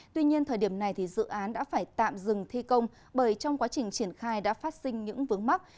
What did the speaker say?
tuy nhiên thời điểm này dự án đã phải tạm dừng thi công bởi trong quá trình triển khai đã phát sinh những vướng mắt